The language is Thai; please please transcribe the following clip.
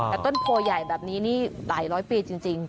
แต่ต้นโพใหญ่แบบนี้นี่หลายร้อยปีจริง